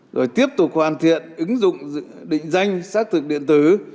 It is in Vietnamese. rồi tiếp tục hoàn thiện ứng dụng định danh xác thực điện tử